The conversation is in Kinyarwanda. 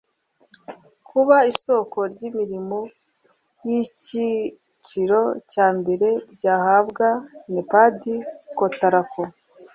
kuba isoko ry imirimo y icyiciro cya mbere ryahabwa npd cotraco